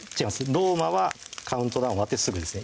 ローマはカウントダウン終わってすぐですね